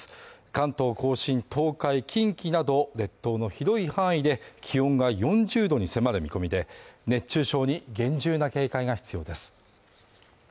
関東甲信・東海・近畿など列島の広い範囲で気温が４０度に迫る見込みで、熱中症に厳重な警戒が必要です。